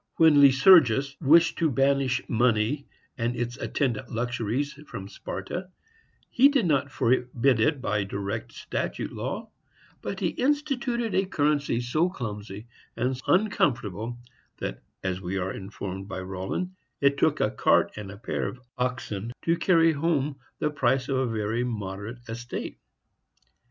When Lycurgus wished to banish money and its attendant luxuries from Sparta, he did not forbid it by direct statute law, but he instituted a currency so clumsy and uncomfortable that, as we are informed by Rollin, it took a cart and pair of oxen to carry home the price of a very moderate estate.